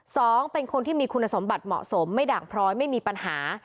สองคนที่มีคุณสมบัติเหมาะสมไม่ด่างพร้อยไม่มีปัญหา